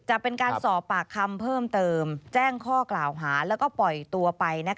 จะเป็นการสอบปากคำเพิ่มเติมแจ้งข้อกล่าวหาแล้วก็ปล่อยตัวไป